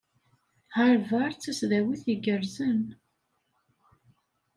Harvard d tasdawit igerrzen.